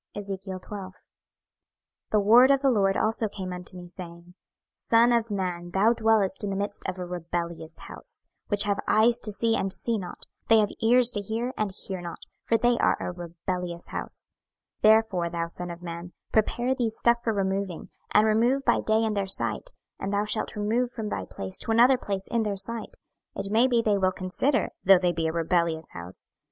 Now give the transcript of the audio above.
26:012:001 The word of the LORD also came unto me, saying, 26:012:002 Son of man, thou dwellest in the midst of a rebellious house, which have eyes to see, and see not; they have ears to hear, and hear not: for they are a rebellious house. 26:012:003 Therefore, thou son of man, prepare thee stuff for removing, and remove by day in their sight; and thou shalt remove from thy place to another place in their sight: it may be they will consider, though they be a rebellious house.